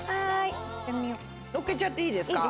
のっけちゃっていいですか？